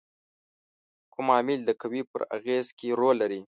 کوم عامل د قوې پر اغیزې کې رول لري؟